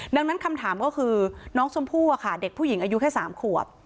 ดังนั้นคำถามก็คือน้องชมพู่อะค่ะเด็กผู้หญิงอายุแค่๓ขวบ